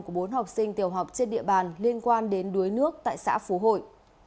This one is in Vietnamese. của bốn học sinh tiểu học trên địa bàn liên quan đến đuối nước tại xã phú hội